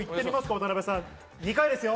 渡邊さん、２回ですよ。